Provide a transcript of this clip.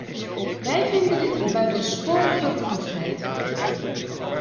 Wij vinden dit een buitensporige bevoegdheid.